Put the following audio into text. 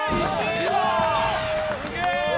すげえ！